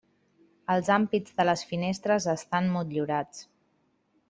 Els ampits de les finestres estan motllurats.